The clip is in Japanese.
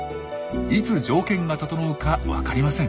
いつ条件が整うか分かりません。